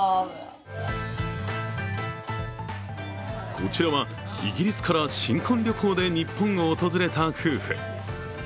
こちらはイギリスから新婚旅行で日本を訪れた夫婦。